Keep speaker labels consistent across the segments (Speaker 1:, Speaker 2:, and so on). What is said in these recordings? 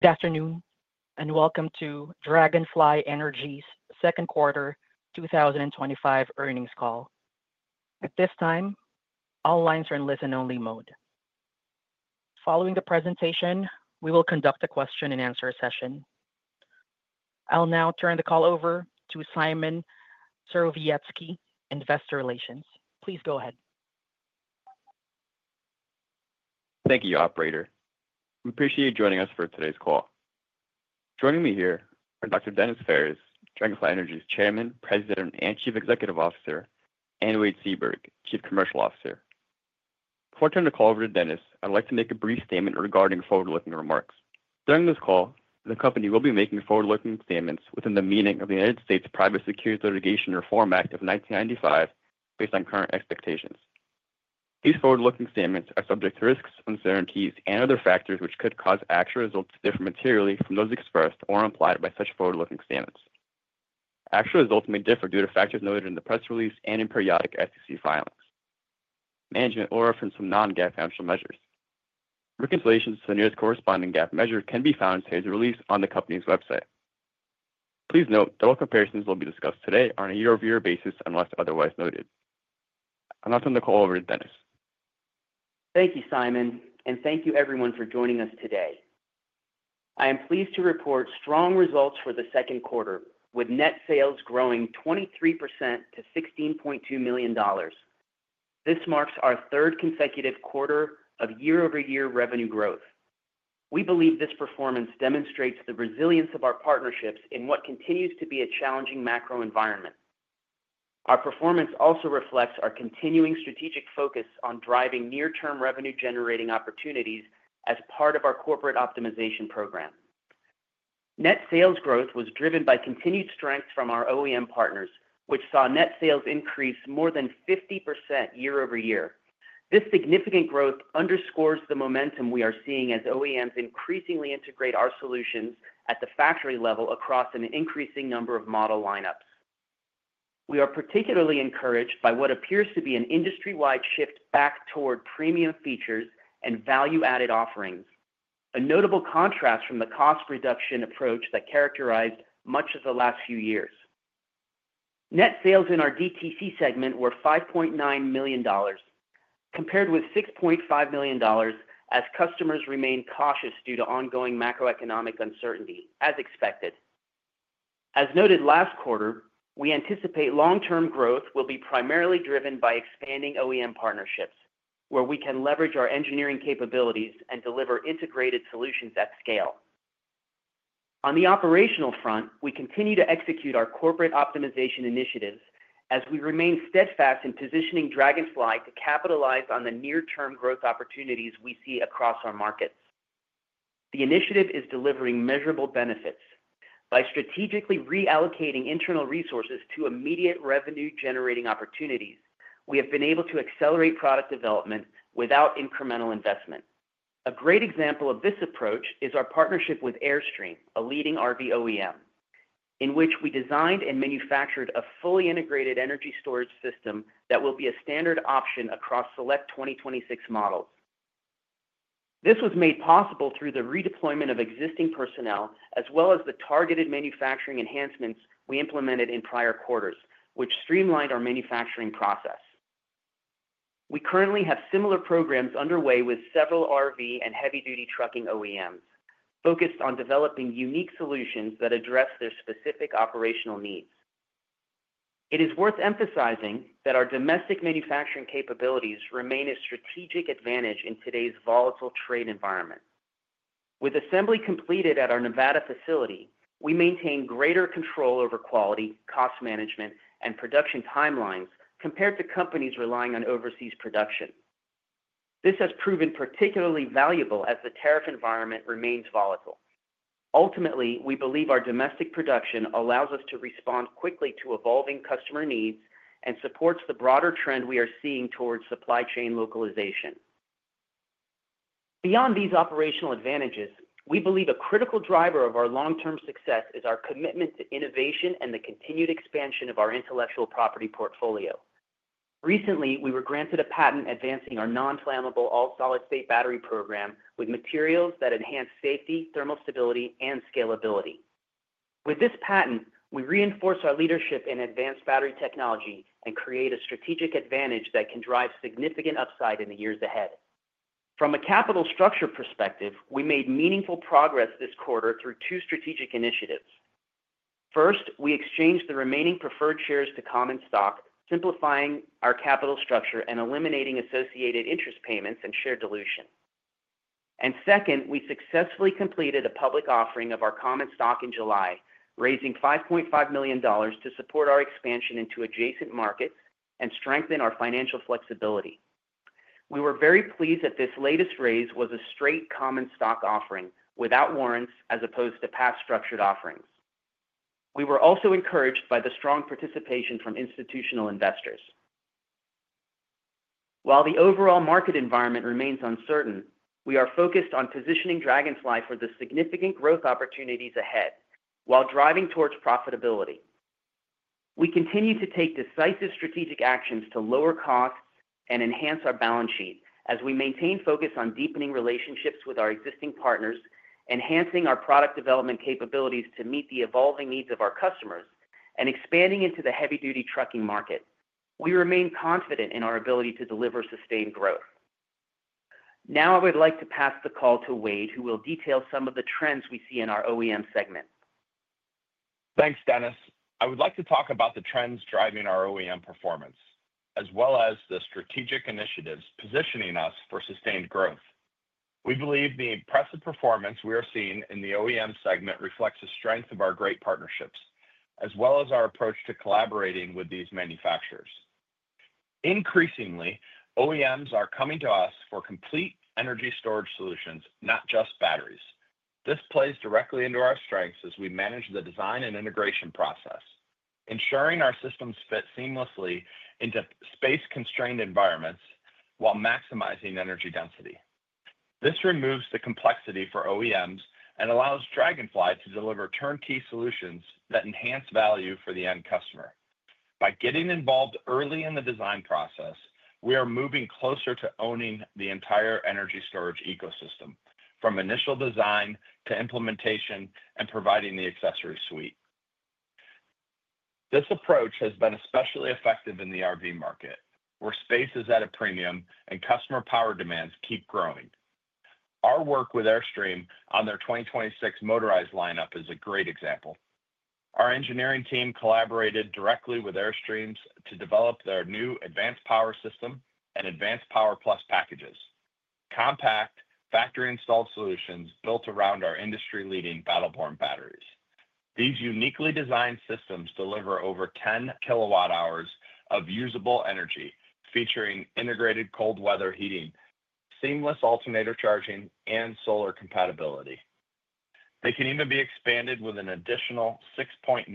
Speaker 1: Good afternoon and welcome to Dragonfly Energy's Second Quarter 2025 Earnings Call. At this time, all lines are in listen-only mode. Following the presentation, we will conduct a question and answer session. I'll now turn the call over to Szymon Serowiecki in Investor Relations. Please go ahead.
Speaker 2: Thank you, Operator. We appreciate you joining us for today's call. Joining me here are Dr. Denis Phares, Dragonfly Energy Holdings Corp.'s Chairman, President, and Chief Executive Officer, and Wade Seaburg, Chief Commercial Officer. Before I turn the call over to Denis, I'd like to make a brief statement regarding forward-looking remarks. During this call, the company will be making forward-looking statements within the meaning of the U.S. Private Securities Litigation Reform Act of 1995, based on current expectations. These forward-looking statements are subject to risks, uncertainties, and other factors which could cause actual results to differ materially from those expressed or implied by such forward-looking statements. Actual results may differ due to factors noted in the press release and in periodic SEC filings. Management will reference some non-GAAP financial measures. Reconciliations to the nearest corresponding GAAP measure can be found in today's release on the company's website. Please note that all comparisons will be discussed today on a year-over-year basis unless otherwise noted. I'll now turn the call over to Denis.
Speaker 3: Thank you, Szymon, and thank you everyone for joining us today. I am pleased to report strong results for the second quarter, with net sales growing 23% to $16.2 million. This marks our third consecutive quarter of year-over-year revenue growth. We believe this performance demonstrates the resilience of our partnerships in what continues to be a challenging macro environment. Our performance also reflects our continuing strategic focus on driving near-term revenue-generating opportunities as part of our corporate optimization program. Net sales growth was driven by continued strength from our OEM partners, which saw net sales increase more than 50% year-over-year. This significant growth underscores the momentum we are seeing as OEMs increasingly integrate our solutions at the factory level across an increasing number of model lineups. We are particularly encouraged by what appears to be an industry-wide shift back toward premium features and value-added offerings, a notable contrast from the cost reduction approach that characterized much of the last few years. Net sales in our DTC segment were $5.9 million, compared with $6.5 million, as customers remain cautious due to ongoing macroeconomic uncertainty, as expected. As noted last quarter, we anticipate long-term growth will be primarily driven by expanding OEM partnerships, where we can leverage our engineering capabilities and deliver integrated solutions at scale. On the operational front, we continue to execute our corporate optimization initiatives as we remain steadfast in positioning Dragonfly to capitalize on the near-term growth opportunities we see across our markets. The initiative is delivering measurable benefits. By strategically reallocating internal resources to immediate revenue-generating opportunities, we have been able to accelerate product development without incremental investment. A great example of this approach is our partnership with Airstream, a leading RV OEM, in which we designed and manufactured a fully integrated energy storage system that will be a standard option across select 2026 models. This was made possible through the redeployment of existing personnel, as well as the targeted manufacturing enhancements we implemented in prior quarters, which streamlined our manufacturing process. We currently have similar programs underway with several RV and heavy-duty trucking OEMs, focused on developing unique solutions that address their specific operational needs. It is worth emphasizing that our domestic manufacturing capabilities remain a strategic advantage in today's volatile trade environment. With assembly completed at our Nevada facility, we maintain greater control over quality, cost management, and production timelines compared to companies relying on overseas production. This has proven particularly valuable as the tariff environment remains volatile. Ultimately, we believe our domestic production allows us to respond quickly to evolving customer needs and supports the broader trend we are seeing towards supply chain localization. Beyond these operational advantages, we believe a critical driver of our long-term success is our commitment to innovation and the continued expansion of our intellectual property portfolio. Recently, we were granted a patent advancing our non-flammable all-solid-state battery program with materials that enhance safety, thermal stability, and scalability. With this patent, we reinforce our leadership in advanced battery technology and create a strategic advantage that can drive significant upside in the years ahead. From a capital structure perspective, we made meaningful progress this quarter through two strategic initiatives. First, we exchanged the remaining preferred shares to common stock, simplifying our capital structure and eliminating associated interest payments and share dilution. Second, we successfully completed a public offering of our common stock in July, raising $5.5 million to support our expansion into adjacent markets and strengthen our financial flexibility. We were very pleased that this latest raise was a straight common stock offering without warrants, as opposed to past structured offerings. We were also encouraged by the strong participation from institutional investors. While the overall market environment remains uncertain, we are focused on positioning Dragonfly for the significant growth opportunities ahead while driving towards profitability. We continue to take decisive strategic actions to lower costs and enhance our balance sheet as we maintain focus on deepening relationships with our existing partners, enhancing our product development capabilities to meet the evolving needs of our customers, and expanding into the heavy-duty trucking market. We remain confident in our ability to deliver sustained growth. Now I would like to pass the call to Wade, who will detail some of the trends we see in our OEM segment.
Speaker 4: Thanks, Denis. I would like to talk about the trends driving our OEM performance, as well as the strategic initiatives positioning us for sustained growth. We believe the impressive performance we are seeing in the OEM segment reflects the strength of our great partnerships, as well as our approach to collaborating with these manufacturers. Increasingly, OEMs are coming to us for complete energy storage solutions, not just batteries. This plays directly into our strengths as we manage the design and integration process, ensuring our systems fit seamlessly into space-constrained environments while maximizing energy density. This removes the complexity for OEMs and allows Dragonfly to deliver turnkey solutions that enhance value for the end customer. By getting involved early in the design process, we are moving closer to owning the entire energy storage ecosystem, from initial design to implementation and providing the accessory suite. This approach has been especially effective in the RV market, where space is at a premium and customer power demands keep growing. Our work with Airstream on their 2026 motorized lineup is a great example. Our engineering team collaborated directly with Airstream to develop their new Advanced Power System and Advanced Power Plus packages, compact, factory-installed solutions built around our industry-leading Battle Born batteries. These uniquely designed systems deliver over 10 kilowatt-hours of usable energy, featuring integrated cold weather heating, seamless alternator charging, and solar compatibility. They can even be expanded with an additional 6.9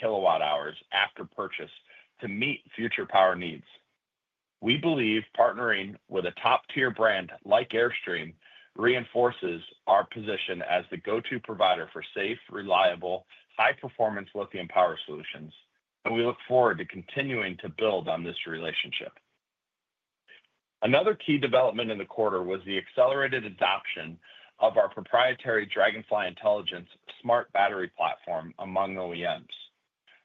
Speaker 4: kilowatt-hours after purchase to meet future power needs. We believe partnering with a top-tier brand like Airstream reinforces our position as the go-to provider for safe, reliable, high-performance lithium power solutions, and we look forward to continuing to build on this relationship. Another key development in the quarter was the accelerated adoption of our proprietary Dragonfly Intelligence platform among OEMs.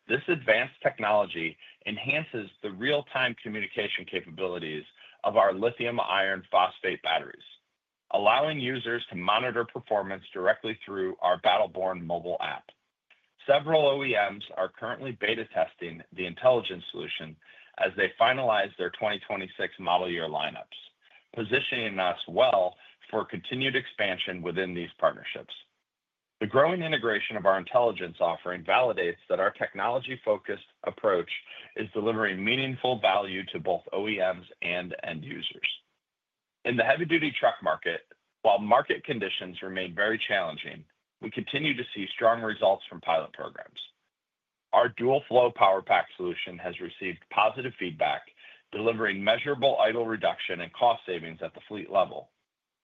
Speaker 4: This advanced technology enhances the real-time communication capabilities of our lithium-iron phosphate batteries, allowing users to monitor performance directly through our Battle Born mobile app. Several OEMs are currently beta testing the Intelligence solution as they finalize their 2026 model year lineups, positioning us well for continued expansion within these partnerships. The growing integration of our Intelligence offering validates that our technology-focused approach is delivering meaningful value to both OEMs and end users. In the heavy-duty truck market, while market conditions remain very challenging, we continue to see strong results from pilot programs. Our DualFlow Power Pack solution has received positive feedback, delivering measurable idle reduction and cost savings at the fleet level.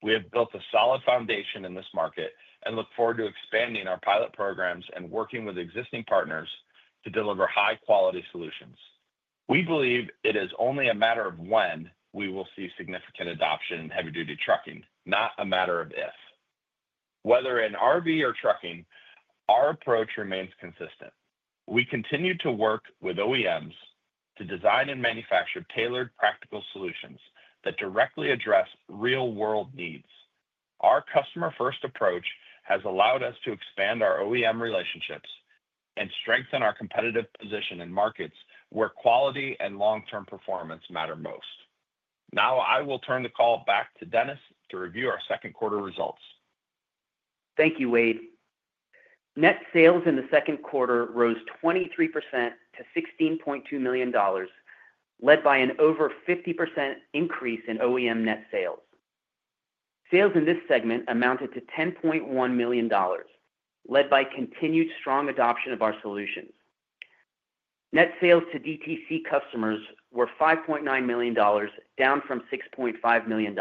Speaker 4: We have built a solid foundation in this market and look forward to expanding our pilot programs and working with existing partners to deliver high-quality solutions. We believe it is only a matter of when we will see significant adoption in heavy-duty trucking, not a matter of if. Whether in RV or trucking, our approach remains consistent. We continue to work with OEMs to design and manufacture tailored practical solutions that directly address real-world needs. Our customer-first approach has allowed us to expand our OEM relationships and strengthen our competitive position in markets where quality and long-term performance matter most. Now I will turn the call back to Denis to review our second quarter results.
Speaker 3: Thank you, Wade. Net sales in the second quarter rose 23% to $16.2 million, led by an over 50% increase in OEM net sales. Sales in this segment amounted to $10.1 million, led by continued strong adoption of our solutions. Net sales to DTC customers were $5.9 million, down from $6.5 million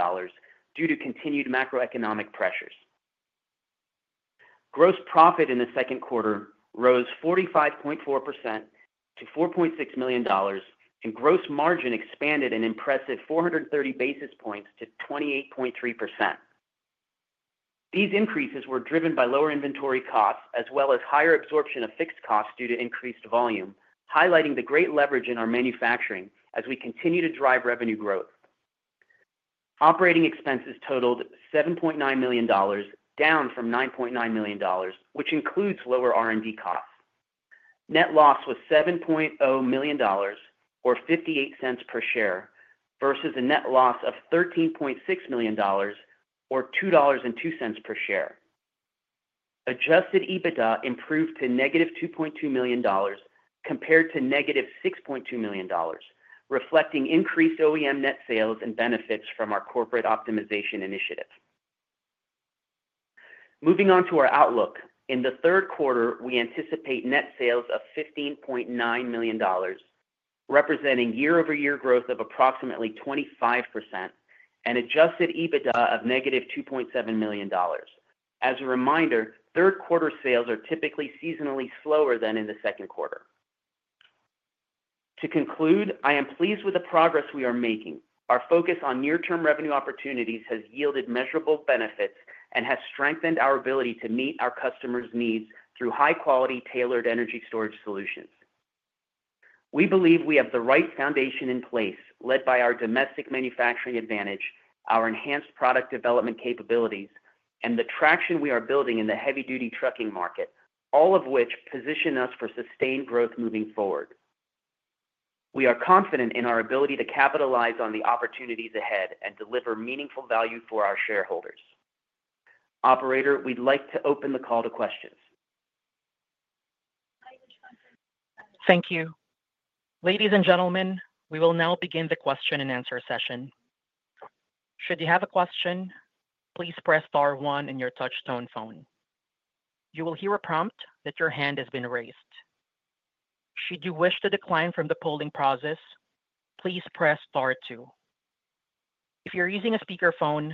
Speaker 3: due to continued macroeconomic pressures. Gross profit in the second quarter rose 45.4% to $4.6 million, and gross margin expanded an impressive 430 basis points to 28.3%. These increases were driven by lower inventory costs, as well as higher absorption of fixed costs due to increased volume, highlighting the great leverage in our manufacturing as we continue to drive revenue growth. Operating expenses totaled $7.9 million, down from $9.9 million, which includes lower R&D costs. Net loss was $7.0 million, or $0.58 per share, versus a net loss of $13.6 million, or $2.02 per share. Adjusted EBITDA improved to -$2.2 million compared to -$6.2 million, reflecting increased OEM net sales and benefits from our corporate optimization initiative. Moving on to our outlook, in the third quarter, we anticipate net sales of $15.9 million, representing year-over-year growth of approximately 25%, and adjusted EBITDA of -$2.7 million. As a reminder, third-quarter sales are typically seasonally slower than in the second quarter. To conclude, I am pleased with the progress we are making. Our focus on near-term revenue opportunities has yielded measurable benefits and has strengthened our ability to meet our customers' needs through high-quality, tailored energy storage solutions. We believe we have the right foundation in place, led by our domestic manufacturing advantage, our enhanced product development capabilities, and the traction we are building in the heavy-duty trucking market, all of which position us for sustained growth moving forward. We are confident in our ability to capitalize on the opportunities ahead and deliver meaningful value for our shareholders. Operator, we'd like to open the call to questions.
Speaker 1: Thank you. Ladies and gentlemen, we will now begin the question and answer session. Should you have a question, please press star one on your touch-tone phone. You will hear a prompt that your hand has been raised. Should you wish to decline from the polling process, please press star two. If you're using a speakerphone,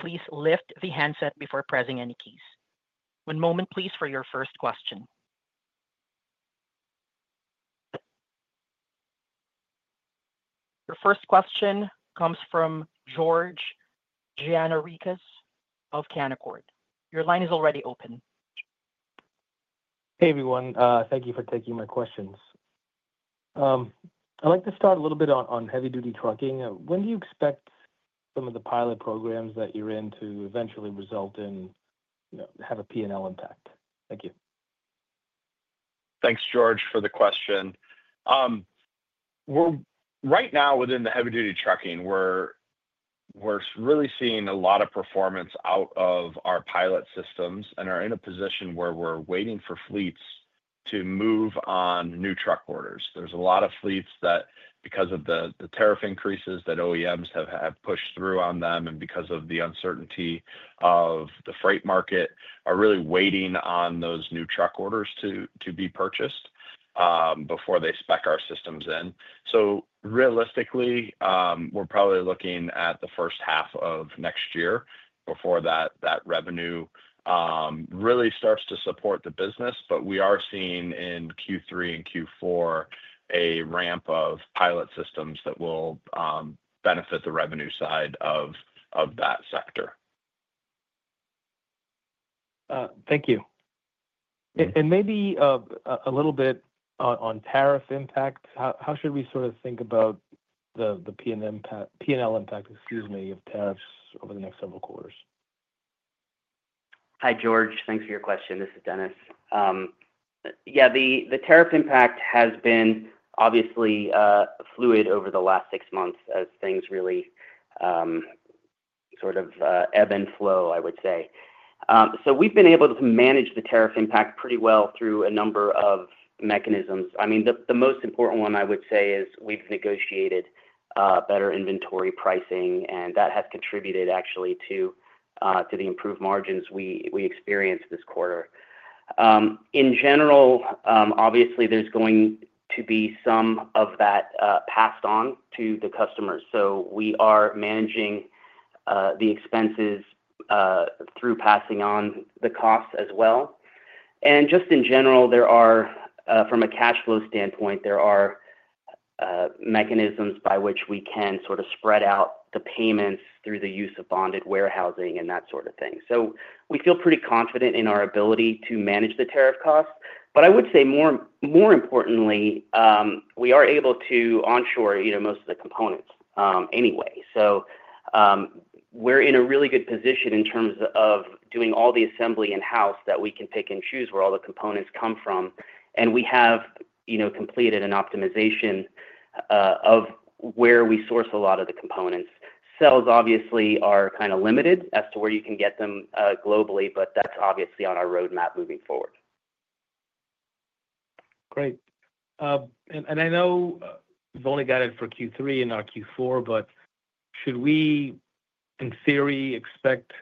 Speaker 1: please lift the handset before pressing any keys. One moment, please, for your first question. Your first question comes from George Gianarikas of Canaccord. Your line is already open.
Speaker 5: Hey everyone, thank you for taking my questions. I'd like to start a little bit on heavy-duty trucking. When do you expect some of the pilot programs that you're in to eventually result in, you know, have a P&L impact? Thank you.
Speaker 4: Thanks, George, for the question. Right now within the heavy-duty trucking, we're really seeing a lot of performance out of our pilot systems and are in a position where we're waiting for fleets to move on new truck orders. There are a lot of fleets that, because of the tariff increases that OEMs have pushed through on them and because of the uncertainty of the freight market, are really waiting on those new truck orders to be purchased before they spec our systems in. Realistically, we're probably looking at the first half of next year before that revenue really starts to support the business, but we are seeing in Q3 and Q4 a ramp of pilot systems that will benefit the revenue side of that sector.
Speaker 5: Thank you. Maybe a little bit on tariff impact. How should we sort of think about the P&L impact, excuse me, of tariffs over the next several quarters?
Speaker 3: Hi George, thanks for your question. This is Denis. Yeah, the tariff impact has been obviously fluid over the last six months as things really sort of ebb and flow, I would say. We've been able to manage the tariff impact pretty well through a number of mechanisms. The most important one I would say is we've negotiated better inventory pricing, and that has contributed actually to the improved margins we experienced this quarter. In general, obviously, there's going to be some of that passed on to the customers. We are managing the expenses through passing on the costs as well. In general, from a cash flow standpoint, there are mechanisms by which we can sort of spread out the payments through the use of bonded warehousing and that sort of thing. We feel pretty confident in our ability to manage the tariff costs. I would say more importantly, we are able to onshore most of the components anyway. We're in a really good position in terms of doing all the assembly in-house that we can pick and choose where all the components come from. We have completed an optimization of where we source a lot of the components. Sales obviously are kind of limited as to where you can get them globally, but that's obviously on our roadmap moving forward.
Speaker 5: Great. I know we've only got it for Q3 and not Q4, but should we, in theory, expect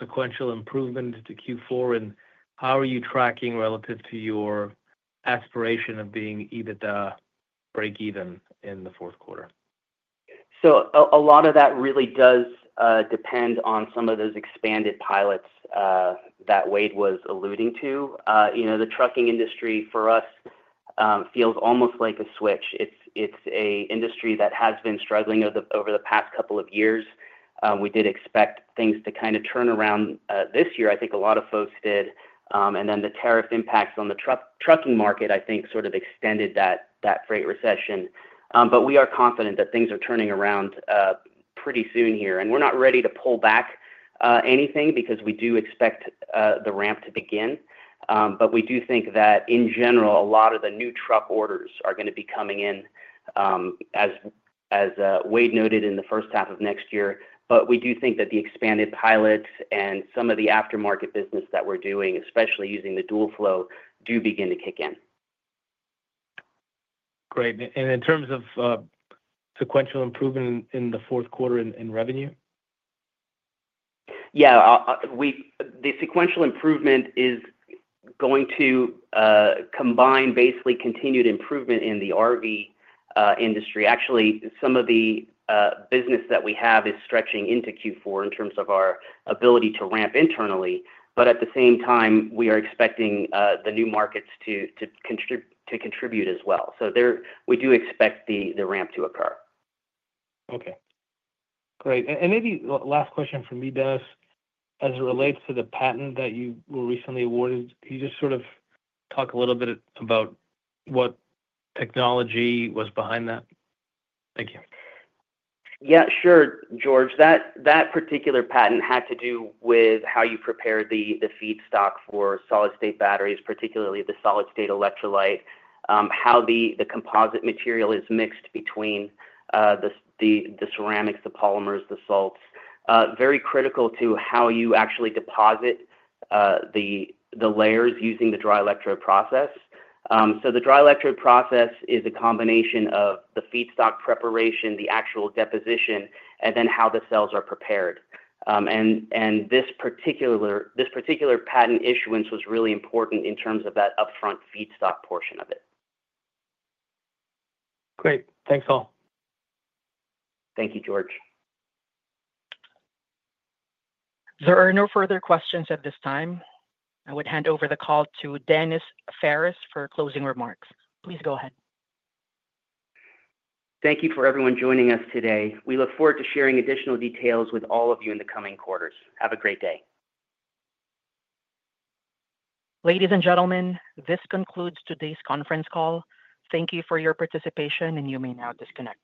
Speaker 5: sequential improvements to Q4? How are you tracking relative to your aspiration of being EBITDA break-even in the fourth quarter?
Speaker 3: A lot of that really does depend on some of those expanded pilots that Wade was alluding to. The trucking industry for us feels almost like a switch. It's an industry that has been struggling over the past couple of years. We did expect things to kind of turn around this year. I think a lot of folks did. The tariff impacts on the trucking market, I think, sort of extended that freight recession. We are confident that things are turning around pretty soon here. We're not ready to pull back anything because we do expect the ramp to begin. We do think that, in general, a lot of the new truck orders are going to be coming in, as Wade noted, in the first half of next year. We do think that the expanded pilots and some of the aftermarket business that we're doing, especially using the DualFlow Power Pack, do begin to kick in.
Speaker 5: Great. In terms of sequential improvement in the fourth quarter in revenue?
Speaker 3: Yeah, the sequential improvement is going to combine basically continued improvement in the RV industry. Actually, some of the business that we have is stretching into Q4 in terms of our ability to ramp internally. At the same time, we are expecting the new markets to contribute as well. We do expect the ramp to occur.
Speaker 5: Okay. Great. Maybe last question from me, Denis, as it relates to the patent that you were recently awarded, can you just sort of talk a little bit about what technology was behind that? Thank you.
Speaker 3: Yeah, sure, George. That particular patent had to do with how you prepare the feedstock for solid-state batteries, particularly the solid-state electrolyte, how the composite material is mixed between the ceramics, the polymers, the salts. It is very critical to how you actually deposit the layers using the dry electrode process. The dry electrode process is a combination of the feedstock preparation, the actual deposition, and then how the cells are prepared. This particular patent issuance was really important in terms of that upfront feedstock portion of it.
Speaker 5: Great. Thanks all.
Speaker 3: Thank you, George.
Speaker 1: There are no further questions at this time. I would hand over the call to Denis Phares for closing remarks. Please go ahead.
Speaker 3: Thank you for everyone joining us today. We look forward to sharing additional details with all of you in the coming quarters. Have a great day.
Speaker 1: Ladies and gentlemen, this concludes today's conference call. Thank you for your participation, and you may now disconnect.